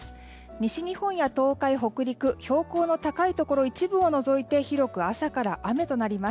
西日本や東海・北陸標高の高いところ一部を除いて広く朝から雨となります。